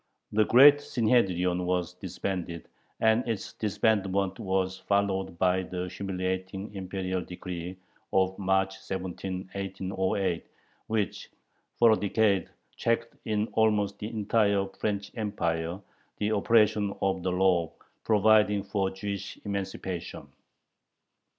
The "Great Synhedrion" was disbanded, and its disbandment was followed by the humiliating Imperial decree of March 17, 1808, which for a decade checked in almost the entire French Empire the operation of the law providing for Jewish emancipation.